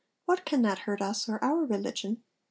what can that hurt us or our religion?'